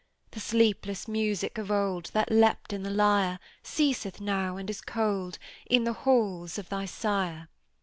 The sleepless music of old, That leaped in the lyre, Ceaseth now, and is cold, In the halls of thy sire.